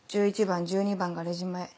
１１番・１２番がレジ前。